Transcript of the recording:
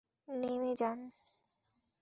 নেমে যান।